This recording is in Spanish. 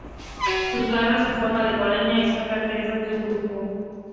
Sus garras en forma de guadaña eran características de su grupo.